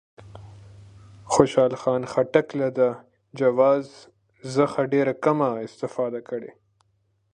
خوشحال خان خټک له دې جواز څخه ډېره کمه استفاده کړې.